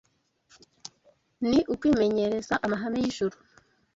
ni ukwimenyereza amahame y’ijuru